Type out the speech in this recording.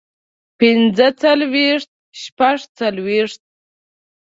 پنځۀ څلوېښت شپږ څلوېښت